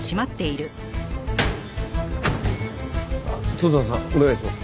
砥沢さんお願いします。